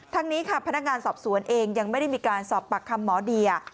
ทั้งนี้ค่ะพนักงานสอบสวนเองยังไม่ได้มีการสอบปากคำหมอเดีย